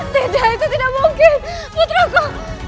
sebenarnya itu tidak mungkin putraku